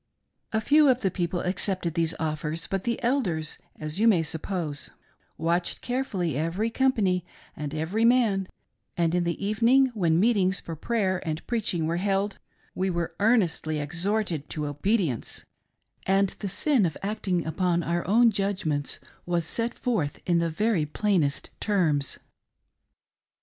A few of the people accepted these offers, but 210 THE CHURCH "TAKING CARE" OF THE MONEY, the Elders, as you'iiiay'suppose, watched carefully every com^ pany and every man; and in the evening, when meetings for prayer and preaching were held, we were earnestly exhorted ta obedience, andthe sin of acting upon our own judgments was set forth in the very plainest terms.